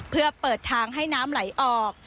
เพื่อเปิดทางให้น้ำไหลออก